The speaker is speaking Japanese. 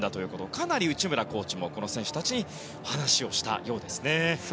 かなり内村コーチも選手たちに話をしたようですね。